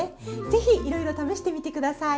ぜひいろいろ試してみて下さい！